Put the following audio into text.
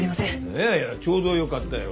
いやいやちょうどよかったよ。